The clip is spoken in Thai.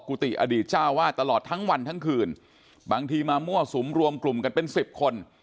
อดีตเจ้าวาดตลอดทั้งวันทั้งคืนบางทีมามั่วสุมรวมกลุ่มกันเป็นสิบคน